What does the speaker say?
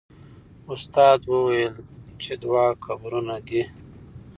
استاد وویل چې دوه قبرونه دي.